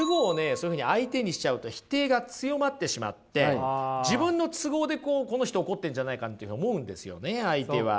そういうふうに相手にしちゃうと否定が強まってしまって自分の都合でこの人怒ってるんじゃないかって思うんですよね相手は。